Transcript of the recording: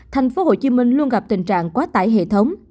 tp hcm luôn gặp tình trạng quá tải hệ thống